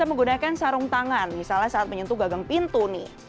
kita menggunakan sarung tangan misalnya saat menyentuh gagang pintu nih